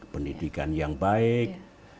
pendidikan yang baik